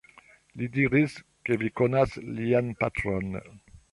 Li diris, ke vi konas lian patron.